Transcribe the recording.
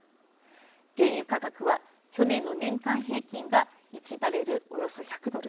原油価格は去年の年間平均が１バレルおよそ１００ドル。